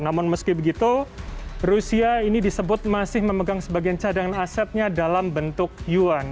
namun meski begitu rusia ini disebut masih memegang sebagian cadangan asetnya dalam bentuk yuan